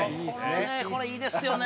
これいいですよね